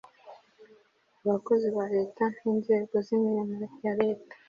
Abakozi ba Leta n inzego z imirimo ya Leta